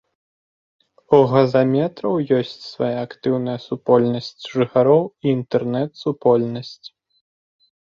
У газаметраў ёсць свая актыўная супольнасць жыхароў і інтэрнэт-супольнасць.